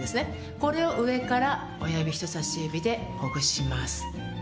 これを上から親指人さし指でほぐします。